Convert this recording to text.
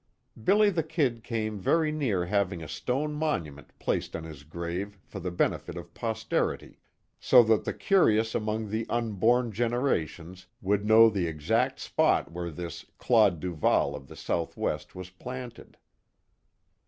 "Billy the Kid" came very near having a stone monument placed on his grave for the benefit of posterity so that the curious among the unborn generations would know the exact spot where this "Claude Duval" of the southwest was planted.